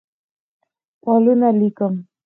پلونه لیکم